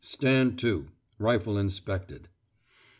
Stand to. Rifle inspected.